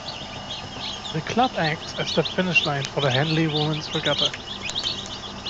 The club acts as the finish line for the Henley Women's Regatta.